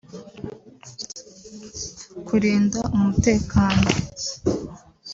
kurinda umutekano